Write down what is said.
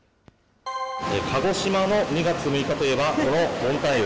鹿児島の２月６日といえば、このボンタン湯。